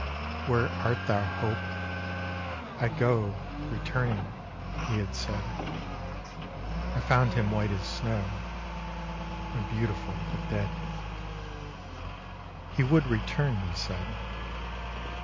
'Where art thou, Hope?'—'I go, Returning,' he had said; I found him white as snow And beautiful, but dead. He would return, he said.